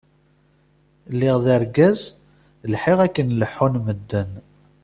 lliɣ d argaz lḥiɣ akken leḥḥun medden.